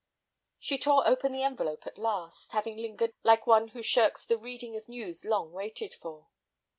She tore open the envelope at last, having lingered like one who shirks the reading of news long waited for.